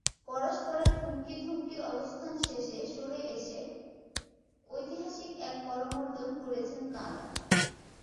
পরস্পরের হুমকি ধমকির অবস্থান শেষে সরে এসে ঐতিহাসিক এক করমর্দন করেছেন তাঁরা।